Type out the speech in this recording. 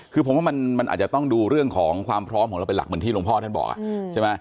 คือผมว่ามันอาจจะต้องดูเรื่องของความพร้อมของเราเป็นหลักเหมือนที่หลวงพ่อท่านบอกใช่ไหม